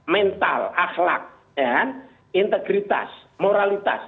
mental akhlak integritas moralitas